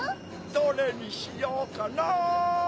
どれにしようかな！